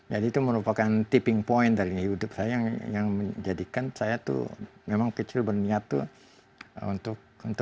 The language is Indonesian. jadi itu merupakan tipping point dari hidup saya yang menjadikan saya tuh memang kecil berniat tuh untuk mulai